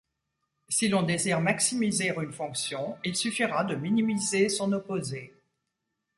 Si l'on désire maximiser une fonction, il suffira de minimiser son opposée.